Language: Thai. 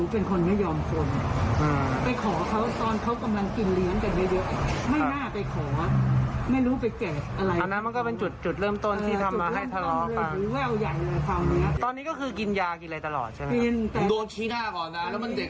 เพราะยาเค้าไม่กินอยู่ทั่วหนึ่ง